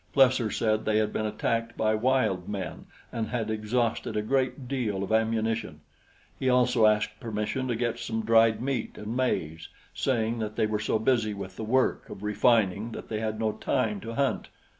Plesser said they had been attacked by wild men and had exhausted a great deal of ammunition. He also asked permission to get some dried meat and maize, saying that they were so busy with the work of refining that they had no time to hunt.